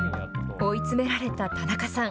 追い詰められた田中さん。